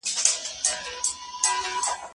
صنعت به انکشاف وکړي.